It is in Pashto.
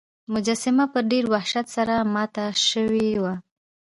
مجسمه په ډیر وحشت سره ماته شوې وه.